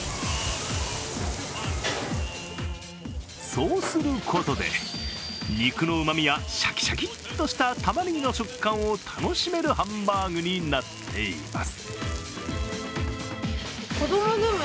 そうすることで肉のうまみやシャキシャキとしたたまねぎの食感を楽しめるハンバーグになっています。